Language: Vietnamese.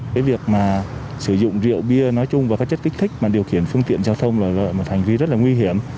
cái việc mà sử dụng rượu bia nói chung và các chất kích thích mà điều khiển phương tiện giao thông là một hành vi rất là nguy hiểm